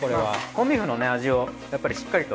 コンビーフの味をやっぱりしっかりと。